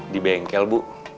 di bengkel bu